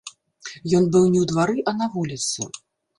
Ён быў не ў двары, а на вуліцы.